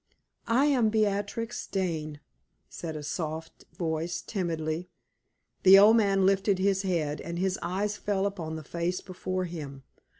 "I am Beatrix Dane," said a soft voice, timidly. The old man lifted his head, and his eyes fell upon the face before him.